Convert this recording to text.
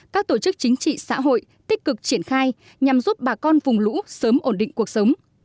các tổ chức chính trị xã hội tích cực triển khai nhằm giúp bà con vùng lũ sớm ổn định cuộc sống